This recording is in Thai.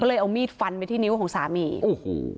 เลยเอามีดฟันไปที่นิ้วของสามีโอ้โห